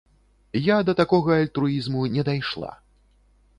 Я да такога альтруізму не дайшла.